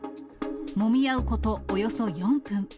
もみ合うことおよそ４分。